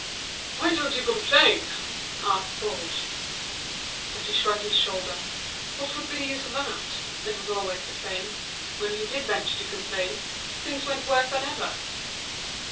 "Why don't you complain?" asked Baugé. But he shrugged his shoulders. What would be the good? It was always the same. When he ventured to complain things went worse than ever.